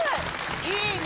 いいね！